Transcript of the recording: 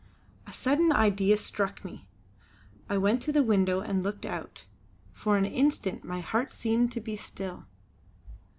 A sudden idea struck me; I went to the window and looked out. For an instant my heart seemed to be still.